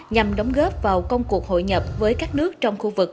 nhằm đóng góp vào công cuộc hội nhập với các nước trong khu vực